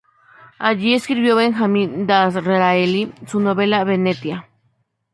Allí escribió Benjamin Disraeli su novela "Venetia".